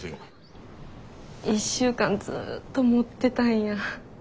１週間ずっと持ってたんや。